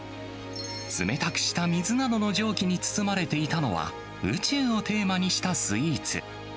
冷たくした水などの蒸気に包まれていたのは、宇宙をテーマにしたスイーツ。